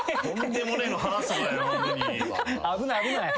危ない危ない。